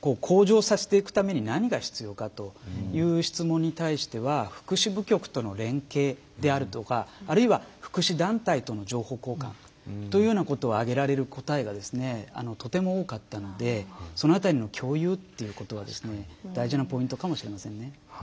向上させていくために何が必要かという質問に対しては福祉部局との連携であるとかあるいは福祉団体との情報交換というようなことを挙げられる答えがとても多かったのでその辺りの共有ということが大事なポイントかもしれませんね。